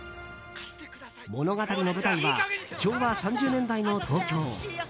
物語の舞台は昭和３０年代の東京。